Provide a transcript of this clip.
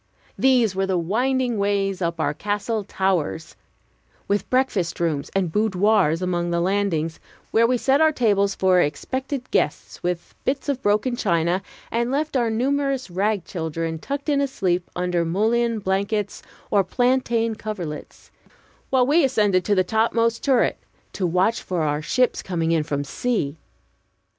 These were the winding ways up our castle towers, with breakfast rooms and boudoirs along the landings, where we set our tables for expected guests with bits of broken china, and left our numerous rag children tucked in asleep under mullein blankets or plantain coverlets, while we ascended to the topmost turret to watch for our ships coming in from sea.